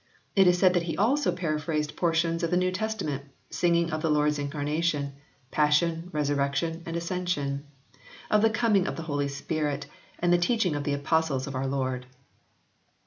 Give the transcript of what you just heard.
It is said that he also para phrased portions of the New Testament, singing of the Lord s incarnation, passion, resurrection and as cension ; of the coming of the Holy Spirit, and the teaching of the Apostles of our Lord.